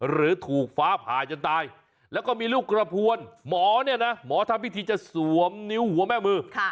หรือถูกฟ้าผ่าจนตายแล้วก็มีลูกกระพวนหมอเนี่ยนะหมอทำพิธีจะสวมนิ้วหัวแม่มือ